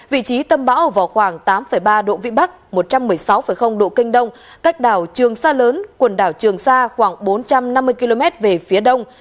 vị trí tâm bão ở vào khoảng tám ba độ vĩ bắc một trăm một mươi sáu độ kinh đông cách đảo trường sa lớn quần đảo trường sa khoảng bốn trăm năm mươi km về phía đông